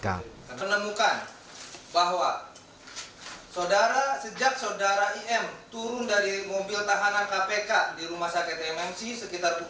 kita menemukan bahwa sejak saudara im turun dari mobil tahanan kpk